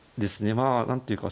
まあ何ていうか先手